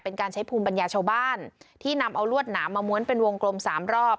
เป็นการใช้ภูมิปัญญาชาวบ้านที่นำเอารวดหนามมาม้วนเป็นวงกลมสามรอบ